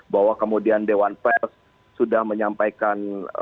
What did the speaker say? bahwa kemudian dewan pers sudah menyampaikan